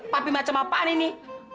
papi macam apaan ini